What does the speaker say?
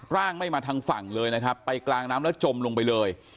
ร่างไม่มาทางฝั่งเลยนะครับไปกลางน้ำแล้วจมลงไปเลย